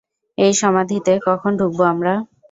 এই সমাধিতে কখন ঢুকব আমরা?